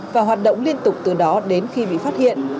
và hoạt động liên tục từ đó đến khi bị phát hiện